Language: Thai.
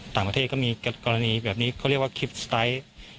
ต่างประเทศก็มีกรณีแบบนี้เขาเรียกว่าคลิปสไตล์